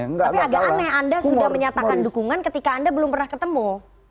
tapi agak aneh anda sudah menyatakan dukungan ketika anda belum pernah ketemu